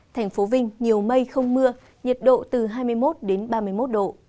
thành phố vinh nhiều mây không mưa nhiệt độ từ hai mươi một đến ba mươi một độ